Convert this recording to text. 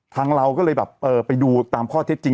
เราก็เลยแบบไปดูตามข้อเท็จจริง